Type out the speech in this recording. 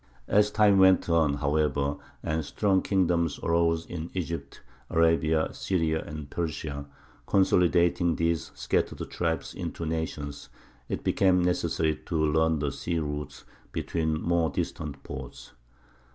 As time went on, however, and strong kingdoms arose in Egypt, Arabia, Syria, and Persia, consolidating these scattered tribes into nations, it became necessary to learn the sea routes between more distant ports.